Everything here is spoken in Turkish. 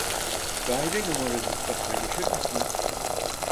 Daire numaranızı da paylaşır mısınız?